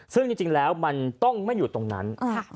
ซึ่งจริงแล้วมันต้องไม่อยู่ตรงนั้น